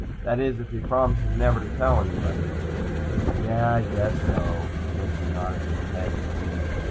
"That is, if he promises never to tell anybody." "Yeah. I guess so." Kenzie nodded his head in agreement.